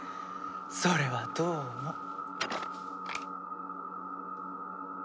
それはどうも。